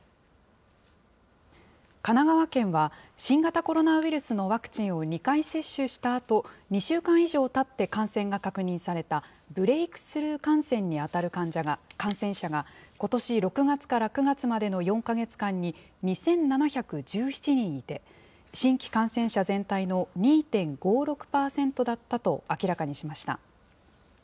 神奈川県は新型コロナウイルスのワクチンを２回接種したあと２週間以上たって感染が確認されたブレイクスルー感染に当たる感染者が、ことし６月から９月までの４か月間に２７１７人いて、新規感染者全体の２．５６％だったと明らかにしました。